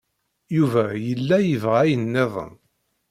Yuba yella yebɣa ayen niḍen.